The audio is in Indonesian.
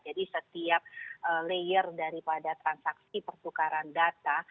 jadi setiap layer daripada transaksi pertukaran data